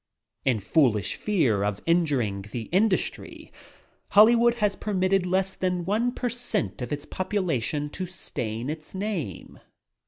In foolish fear of injuring the industry, Hollywood has permitted less than one per cent of its population to stain its name.